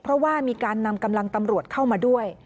เพราะว่ามีการนำกำลังตำรวจเข้ามาด้วย